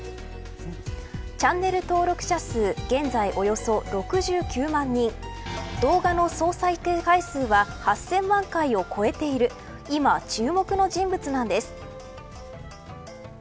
チャンネル登録者数現在およそ６９万人動画の総再生回数は８０００万回を超えている今、注目の人物なんです。